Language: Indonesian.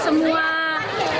sebaiknya ya semua